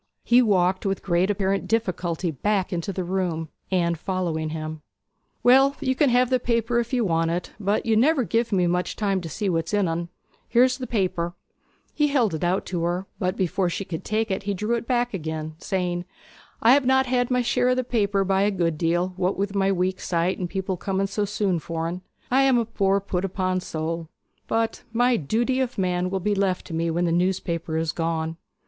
He walked with great apparent difficulty back into the room, Anne following him. 'Well, you can have the paper if you want it; but you never give me much time to see what's in en! Here's the paper.' He held it out, but before she could take it he drew it back again, saying, 'I have not had my share o' the paper by a good deal, what with my weak sight, and people coming so soon for en. I am a poor put upon soul; but my "Duty of Man" will be left to me when the newspaper is gone.'